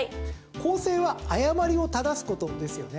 校正は誤りを正すことですよね。